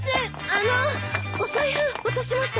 あのお財布落としましたよ。